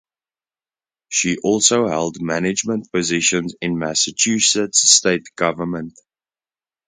She also held management positions in Massachusetts State government.